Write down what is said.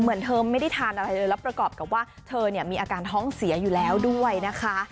เหมือนเธอไม่ได้ทานอะไรเลยแล้วประกอบกับว่าเธอเนี่ยมีอาการท้องเสียอยู่แล้วด้วยนะคะ